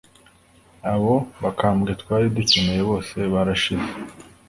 Abo bakambwe twari dukeneye bose barashize